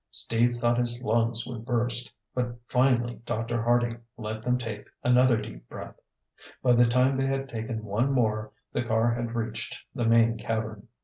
Steve thought his lungs would burst, but finally Dr. Harding let them take another deep breath. By the time they had taken one more, the car had reached the main cavern.